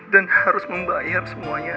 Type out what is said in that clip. dan harus membayar semuanya